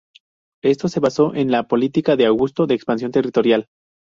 Esto se basó en la política de Augusto de expansión territorial.